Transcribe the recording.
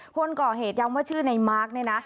คนก่อเหตุย้ำว่าชื่อในมาร์คเนี่ยนะ